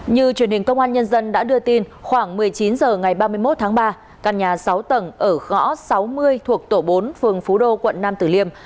như truyền hình công an nhân dân đã đưa tin khoảng một mươi chín h ngày ba mươi một tháng ba căn nhà sáu tầng ở ngõ sáu mươi thuộc tổ bốn phường phú đô quận nam tử liêm